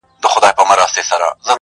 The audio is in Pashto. ژوند يې پکي ونغښتی، بيا يې رابرسيره کړ_